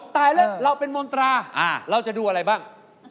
ตายแล้วเราเป็นมนตราเราจะดูอะไรบ้าง